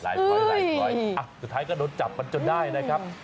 ถอยหลายถอยสุดท้ายก็โดนจับมันจนได้นะครับ